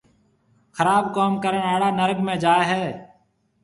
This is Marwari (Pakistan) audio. خراب ڪوم ڪرڻ آݪا نرگ ۾ جائي هيَ۔